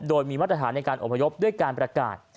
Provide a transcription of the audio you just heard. โดยมีมาตรฐานในการอพยพด้วยการประกาศ